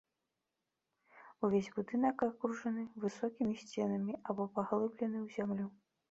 Увесь будынак акружаны высокімі сценамі або паглыблены ў зямлю.